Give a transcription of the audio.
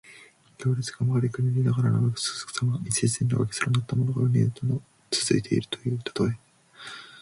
行列が曲がりくねりながら長く続くさま。一列に長く連なったものが、うねうねと続いているというたとえ。